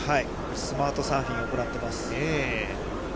スマートサーフィンを行っています。